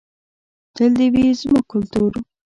تل دې وي زموږ کلتور.